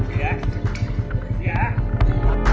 แก่ไหน